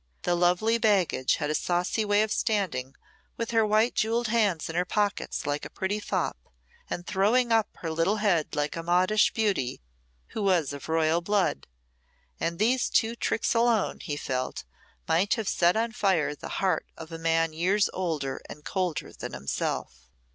The lovely baggage had a saucy way of standing with her white jewelled hands in her pockets like a pretty fop, and throwing up her little head like a modish beauty who was of royal blood; and these two tricks alone, he felt, might have set on fire the heart of a man years older and colder than himself.